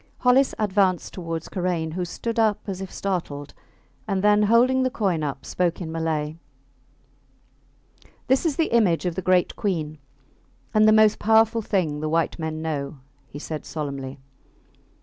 Hollis advanced towards Karain, who stood up as if startled, and then, holding the coin up, spoke in Malay. This is the image of the Great Queen, and the most powerful thing the white men know, he said, solemnly.